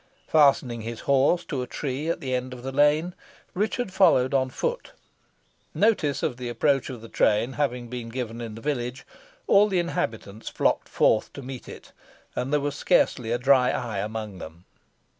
Fastening his horse to a tree at the end of the lane, Richard followed on foot. Notice of the approach of the train having been given in the village, all the inhabitants flocked forth to meet it, and there was scarcely a dry eye among them.